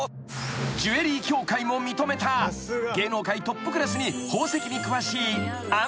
［ジュエリー協会も認めた芸能界トップクラスに宝石に詳しい］